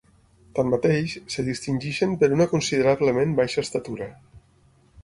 Tanmateix, es distingeixen per una considerablement baixa estatura.